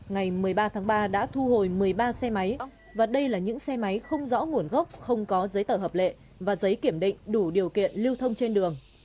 ngày một mươi ba tháng ba đã thu hồi một mươi ba xe máy và đây là những xe máy không rõ nguồn gốc không có giấy tờ hợp lệ và giấy kiểm định đủ điều kiện lưu thông trên đường